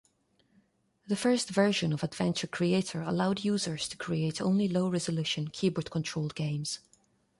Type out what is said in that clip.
The first version of Adventure Creator allowed users to create only low-resolution, keyboard-controlled games.